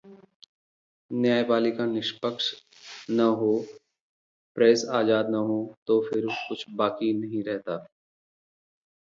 न्यायपालिका निष्पक्ष न हो, प्रेस आजाद न हो, तो फिर कुछ बाकी नहीं रहता